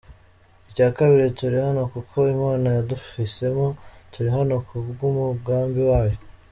Icya kabiri turi hano kuko Imana yaduhisemo, turi hano ku bw’umugambi wayo.